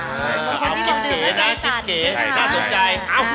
น้องคนที่น้องยังดื่มก็จังสัน